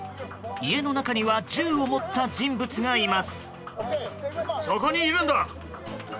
家の中には銃を持った人物がいます。